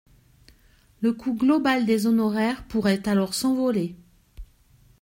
Le coût global des honoraire pourrait alors s’envoler.